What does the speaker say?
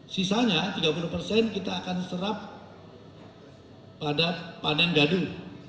sisanya tiga puluh kita akan serap pada panen gaduh